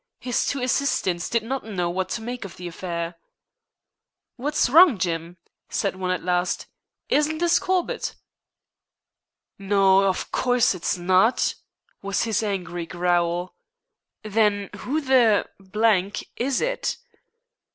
His two assistants did not know what to make of the affair. "What's wrong, Jim?" said one at last. "Isn't this Corbett?" "No, of course it's not," was his angry growl. "Then who the is it?"